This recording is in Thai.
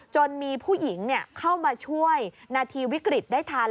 จนมีผู้หญิงเข้ามาช่วยนาทีวิกฤตได้ทัน